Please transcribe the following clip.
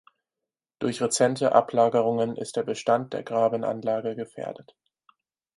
Durch rezente Ablagerungen ist der Bestand der Grabenanlage gefährdet.